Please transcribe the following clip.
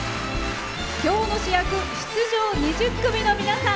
今日の主役、出場２０組の皆さん。